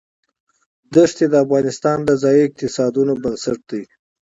دښتې د افغانستان د ځایي اقتصادونو بنسټ دی.